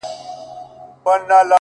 پر ټول جهان دا ټپه پورته ښه ده،